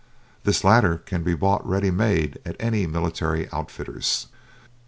This latter can be bough ready made at any military outfitter's.